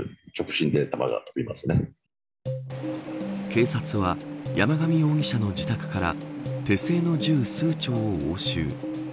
警察は山上容疑者の自宅から手製の銃、数丁を押収。